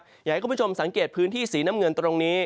อยากให้คุณผู้ชมสังเกตพื้นที่สีน้ำเงินตรงนี้